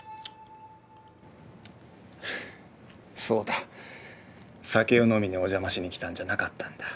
そうだ酒を飲みにお邪魔しに来たんじゃなかったんだ。